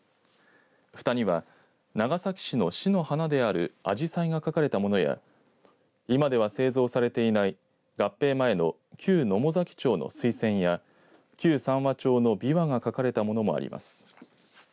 ふたには長崎市の市の花であるあじさいが描かれたものや今では製造されていない合併前の旧野母崎町の水仙や旧三和町のびわが描かれたものもあります。